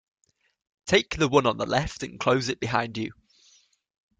Take the one on the left and close it behind you.